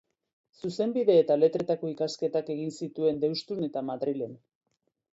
Zuzenbide eta Letretako ikasketak egin zituen Deustun eta Madrilen.